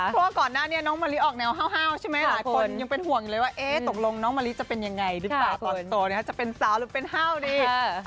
เพราะว่าก่อนหน้านี้น้องมะลิออกแนวห้าวใช่ไหมหลายคนยังเป็นห่วงอยู่เลยว่าตกลงน้องมะลิจะเป็นยังไงหรือเปล่าตอนโตจะเป็นสาวหรือเป็นห้าวดี